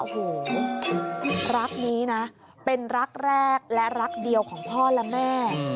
โอ้โหรักนี้นะเป็นรักแรกและรักเดียวของพ่อและแม่